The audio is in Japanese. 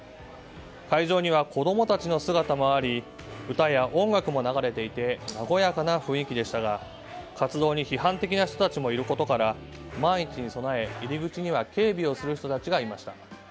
会場には子供たちの姿もあり歌や音楽も流れていて和やかな雰囲気でしたが活動に批判的な人たちもいることから万一に備え、入り口には警備をする人たちがいました。